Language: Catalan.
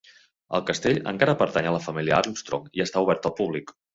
El castell encara pertany a la família Armstrong, i està obert al públic.